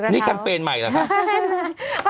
นี่คัมเปญใหม่หรอครับ